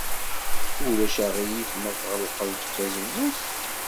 Ulac aɣilif ma tɣelqed tazewwut?